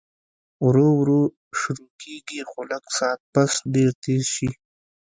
ورو ورو شورو کيږي خو لږ ساعت پس ډېر تېز شي